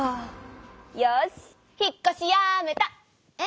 よし引っこしやめた！え？